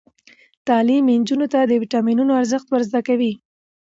تعلیم نجونو ته د ویټامینونو ارزښت ور زده کوي.